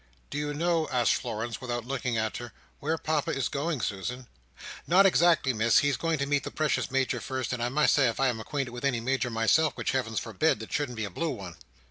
"Do you know," asked Florence, without looking at her, "where Papa is going, Susan?" "Not exactly, Miss. He's going to meet that precious Major first, and I must say if I was acquainted with any Major myself (which Heavens forbid), it shouldn't be a blue one!"